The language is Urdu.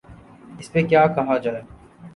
اس پہ کیا کہا جائے؟